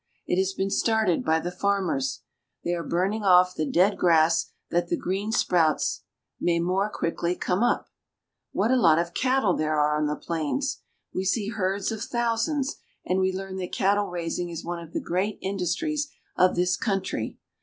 It has been started by the farmers. They are burning off the dead grass that the green sprouts may more quickly come up. ON THE ORINOCO. 329 What a lot of cattle there are on the plains ! We see herds of thousands, and we learn that cattle raising is one of the great industries of this country.